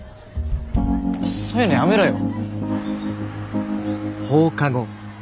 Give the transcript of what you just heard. そういうのやめろよ。